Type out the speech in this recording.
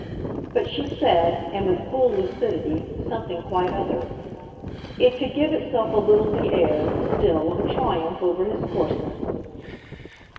But she said, and with full lucidity, something quite other: it could give itself a little the air, still, of a triumph over his coarseness.